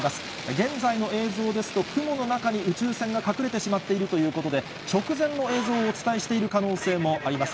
現在の映像ですと、雲の中に宇宙船が隠れてしまっているということで、直前の映像をお伝えしている可能性もあります。